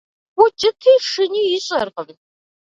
Укӏыти шыни ищӏэркъым.